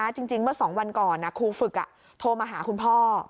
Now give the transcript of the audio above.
จริงเมื่อ๒วันก่อนครูฝึกโทรมาหาคุณพ่อ